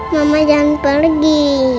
mama jangan pergi